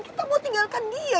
kita mau tinggalkan dia